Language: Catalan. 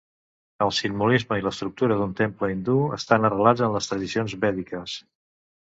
El simbolisme i l'estructura d'un temple hindú estan arrelats en les tradicions vèdiques.